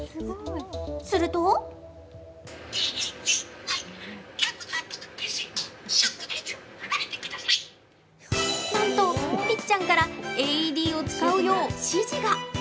するとなんと、ぴっちゃんからＡＥＤを使うよう指示が。